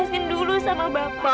jelasin dulu sama bapak